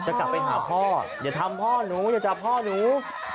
จะกลับไปหาพ่ออย่าทำพ่อหนูอย่าจับพ่อหนู